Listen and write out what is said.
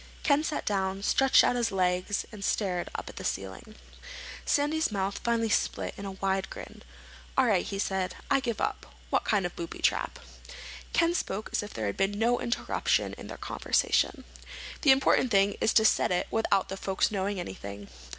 Ken sat down, stretched out his legs, and stared up at the ceiling. Sandy's mouth finally split in a wide grin. "All right," he said. "I give up. What kind of booby trap?" Ken spoke as if there had been no interruption in their conversation. "The important thing is to set it without the folks knowing anything."